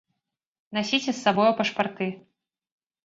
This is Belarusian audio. Насіце з сабою пашпарты!